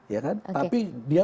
ya kan tapi dia